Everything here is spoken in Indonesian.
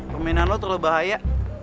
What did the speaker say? permainan lo terlalu bahaya